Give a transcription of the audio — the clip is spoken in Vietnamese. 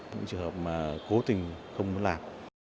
những trường hợp mà cố tình không muốn làm